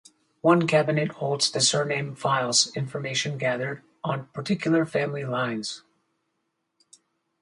One cabinet holds the surname files-information gathered on particular family lines.